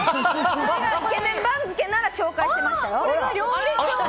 これがイケメン番付ならば紹介していましたよ。